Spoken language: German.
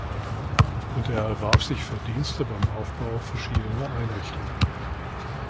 Und er erwarb sich Verdienste beim Aufbau verschiedener Einrichtungen.